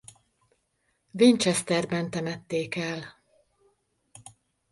Winchesterben temették el.